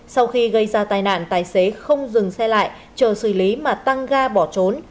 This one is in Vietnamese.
sau khi gây ra tai nạn tài xế không dừng xe lại chờ xử lý mà tăng ga bỏ trốn